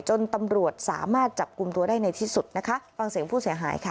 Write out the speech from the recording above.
จนตำรวจสามารถจับกลุ่มตัวได้ในที่สุดนะคะฟังเสียงผู้เสียหายค่ะ